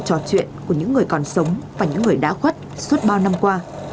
bao cuộc trò chuyện của những người còn sống và những người đã khuất suốt bao năm qua